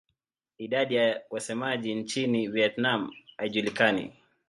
Idadi ya wasemaji nchini Vietnam haijulikani.